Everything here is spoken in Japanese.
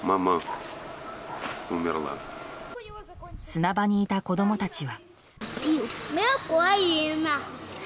砂場にいた子供たちは。